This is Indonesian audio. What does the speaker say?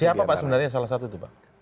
siapa pak sebenarnya yang salah satu itu pak